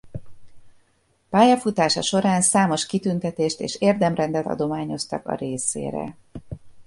Pályafutása során számos kitüntetést és érdemrendet adományoztak a részére.